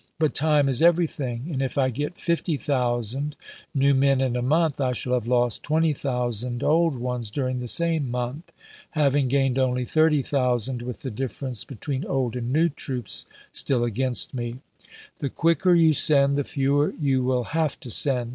But time is everything; and if I get 50,000 new men in a month I shall have lost 20,000 old ones during the same month, having gained only 30,000, with the difference between old and new troops stiU against me. The quicker you send, the fewer you will have to send.